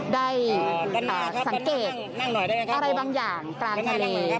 ได้สังเกตอะไรบางอย่างกลางทะเล